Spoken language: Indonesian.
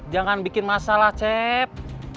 jangan bikin masalah cep